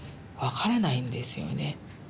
わからないんですよね。